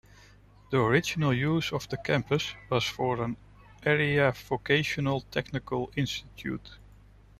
The original use of the campus was for an Area Vocational Technical Institute.